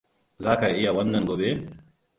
Za ka iya wannan gobe?